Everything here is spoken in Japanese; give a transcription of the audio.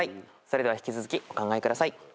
それでは引き続きお考えください。